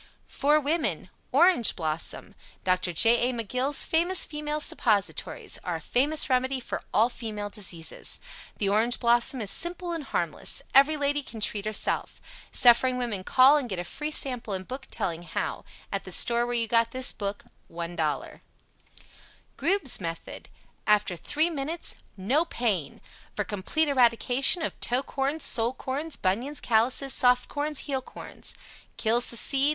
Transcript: FOR WOMEN ORANGE BLOSSOM Dr. J. A. McGill's Famous Female Suppositories Are a famous remedy for all female diseases. The Orange Blossom is simple and harmless. Every lady can treat herself. Suffering women call and get a free sample and book telling how At the store where you got this book. $1.00 Grube's Method After 3 minutes, no pain! For Complete Eradication of TOE CORNS, SOLE CORNS, BUNIONS, CALLOUSES, SOFT CORNS, HEEL CORNS. Kills the Seed.